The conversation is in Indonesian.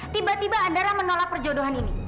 tiba tiba andara menolak perjodohan ini